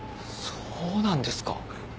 そうなんですか。